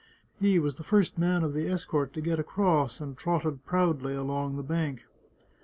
He was the first man of the escort to get across, and trotted proudly along the bank.